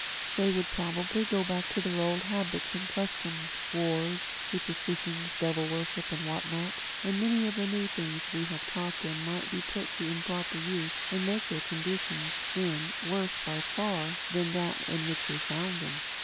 They would probably go back to their old habits and customs: wars, superstitions, devil worship and what not; and many of the new things we have taught them might be put to improper use and make their condition, then, worse by far than that in which we found them....